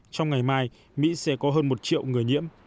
trong ngày mai mỹ sẽ có hơn một triệu người nhiễm